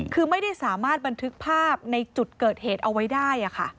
คือไม่ได้สามารถบันทึกภาพในจุดเกิดเหตุเอาไว้ได้